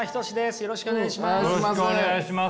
よろしくお願いします。